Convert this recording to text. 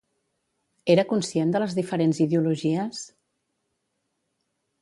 Era conscient de les diferents ideologies?